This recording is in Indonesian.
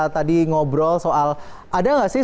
tadi ngobrol soal ada nggak sih